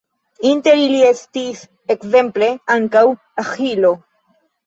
Inter ili estis ekzemple ankaŭ Aĥilo.